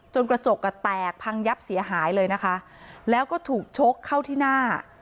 กระจกอ่ะแตกพังยับเสียหายเลยนะคะแล้วก็ถูกชกเข้าที่หน้า